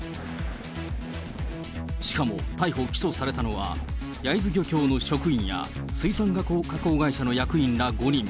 しかも逮捕・起訴されたのは、焼津漁協の職員や水産加工会社の役員ら５人。